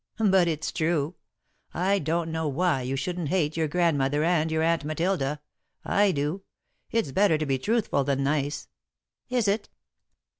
"But it's true. I don't know why you shouldn't hate your Grandmother and your Aunt Matilda. I do. It's better to be truthful than nice." "Is it?"